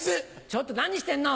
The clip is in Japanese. ちょっと何してんの。